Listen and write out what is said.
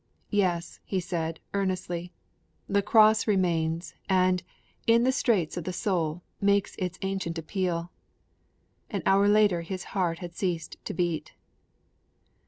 'Yes,' he said, earnestly, 'the Cross remains, and, in the straits of the soul, makes its ancient appeal.' An hour later his heart had ceased to beat.